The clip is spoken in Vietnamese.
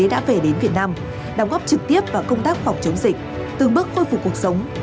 đã về đến việt nam đóng góp trực tiếp vào công tác phòng chống dịch từng bước khôi phục cuộc sống